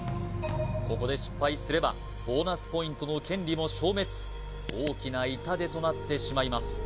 ここで失敗すればボーナスポイントの権利も消滅大きな痛手となってしまいます